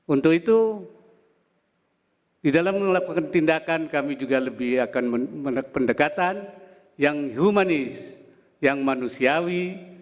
untuk itu di dalam melakukan tindakan kami juga lebih akan pendekatan yang humanis yang manusiawi